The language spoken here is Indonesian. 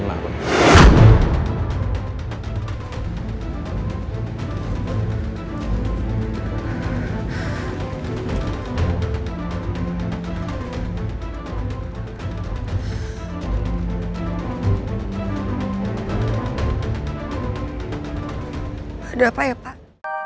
ada apa ya pak